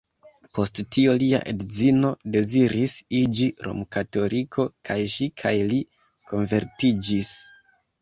Post tio lia edzino deziris iĝi rom-katoliko, kaj ŝi kaj li konvertiĝis.